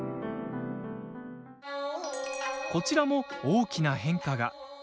こちらも大きな変化が。